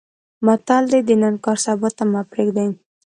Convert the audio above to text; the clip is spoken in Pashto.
متل دی: د نن کار سبا ته مه پرېږده.